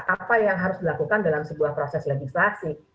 apa yang harus dilakukan dalam sebuah proses legislasi